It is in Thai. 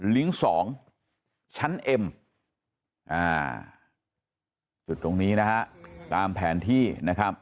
ลิงก์๒ชั้นเอ็มจุดตรงนี้นะฮะตามแผนที่นะครับ